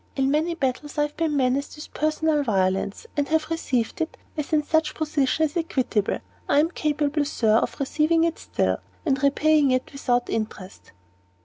In many battles I have been menaced with personal violence, and have received it, as in such positions is equitable. I am capable, Sir, of receiving it still, and repaying it, not without interest."